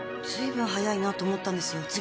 ずいぶん早いなと思ったんですよ。